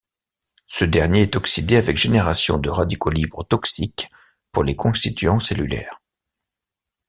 Ce dernier est oxydé avec génération de radicaux libres toxiques pour les constituants cellulaires.